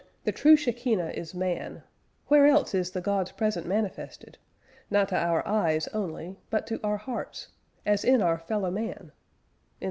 "The true SHEKINAH is Man: where else is the GOD'S PRESENCE manifested, not to our eyes only, but to our hearts, as in our fellow man?"